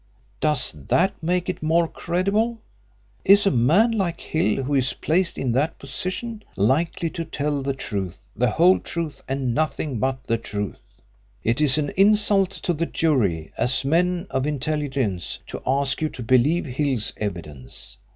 Does that make it more credible? Is a man like Hill, who is placed in that position, likely to tell the truth, the whole truth, and nothing but the truth? It is an insult to the jury as men of intelligence to ask you to believe Hill's evidence.